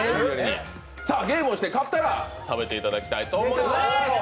ゲームをして勝ったら食べていただきたいと思います。